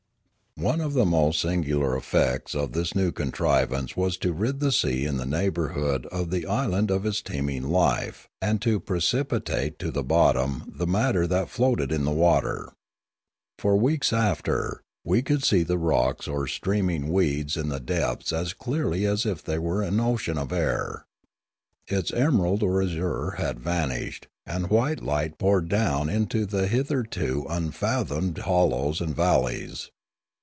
One of the most singular effects of this new contriv ance was to rid the sea in the neighbourhood of the island of its teeming life and to precipitate to the bot tom the matter that floated in the water. For weeks after, we could see the rocks or streaming weeds in the The Lilaran 187 depths as clearly as if it were an ocean of air. Its emerald or azure had vanished, and white light poured down into the hitherto unfathomed hollows and val leys.